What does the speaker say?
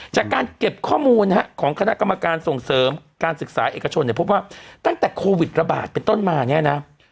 จากการเก็บข้อมูลของคณะกรรมการส่งเสริมการศึกษาเอกชนเนี่ยพบว่าตั้งแต่โควิดระบาดเป็นต้นมาเนี่ยนะ